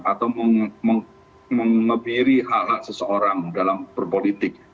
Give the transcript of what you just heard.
atau mengebiri hak hak seseorang dalam berpolitik